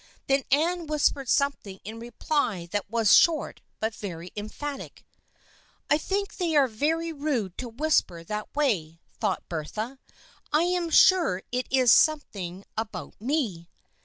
Then Anne whispered something in reply that was short but very emphatic. " I think they are very rude to whisper that way," thought Bertha. " 1 am sure it is some thing about me."